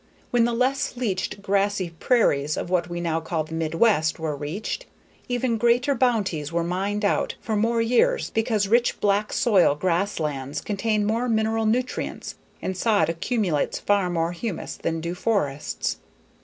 When the less leached grassy prairies of what we now call the Midwest were reached, even greater bounties were mined out for more years because rich black soil grasslands contain more mineral nutrients and sod accumulates far more humus than do forests.